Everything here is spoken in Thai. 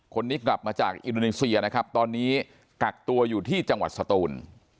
คนนี้กลับมาจากอินโดนีเซียนะครับตอนนี้กักตัวอยู่ที่จังหวัดสตูน